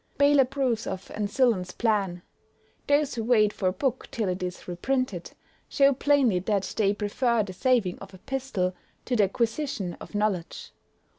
Bayle approves of Ancillon's plan. Those who wait for a book till it is reprinted, show plainly that they prefer the saving of a pistole to the acquisition of knowledge.